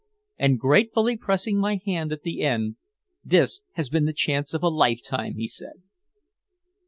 And gratefully pressing my hand at the end, "This has been the chance of a lifetime," he said.